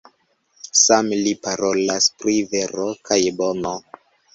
Same li parolas pri vero kaj bono.